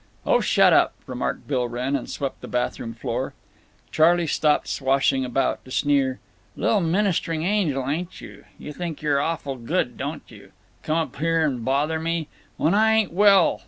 "Oh, shut up," remarked Bill Wrenn, and swept the bathroom floor. Charley stopped swashing about to sneer: "Li'l ministering angel, ain't you? You think you're awful good, don't you? Come up here and bother me. When I ain't well.